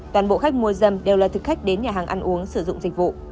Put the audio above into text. toàn bộ khách mua dâm đều là thực khách đến nhà hàng ăn uống sử dụng dịch vụ